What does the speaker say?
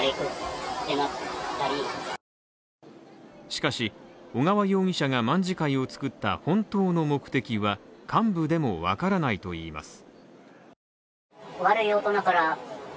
しかし、小川容疑者が卍会を作った本当の目的は、幹部でもわからないといいます。